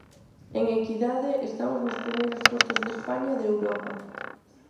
En equidade, estamos nos primeiros postos de España e de Europa.